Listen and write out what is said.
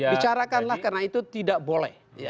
bicarakanlah karena itu tidak boleh